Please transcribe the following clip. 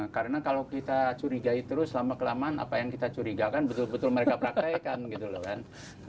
karena kalau kita curigai terus lama kelamaan apa yang kita curigakan betul betul mereka perakaikan gitu kan